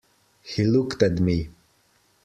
He looked at me.